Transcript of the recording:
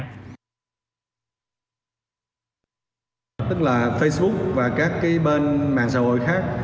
tức là facebook và các cái bên mạng xã hội khác